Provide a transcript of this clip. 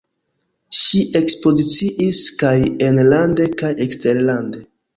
Ŝi ekspoziciis kaj enlande kaj eksterlande.